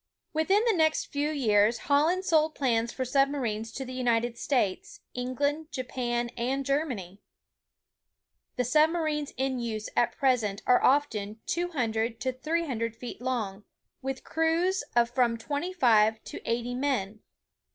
Within the next few years Holland sold plans for sub marines to the United States, England, Japan, and Ger many. The submarines in use at present are often 200 to 300 feet long, with crews of from twenty five to eighty men.